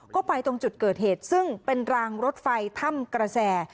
ก็ไปตรงจุดเกิดเหตุซึ่งเป็นรางรถไฟถ้ำกระแส